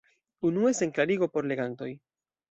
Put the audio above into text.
Unue sen klarigo por legantoj.